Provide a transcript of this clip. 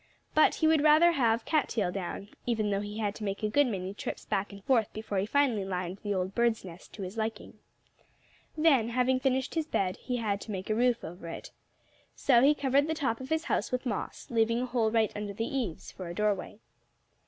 But he would rather have cat tail down, even though he had to make a good many trips back and forth before he finally lined the old bird's nest to his liking. Then, having finished his bed, he had to make a roof over it. So he covered the top of his house with moss, leaving a hole right under the eaves, for a doorway.